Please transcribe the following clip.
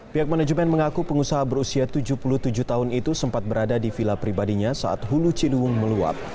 pihak manajemen mengaku pengusaha berusia tujuh puluh tujuh tahun itu sempat berada di vila pribadinya saat hulu ciliwung meluap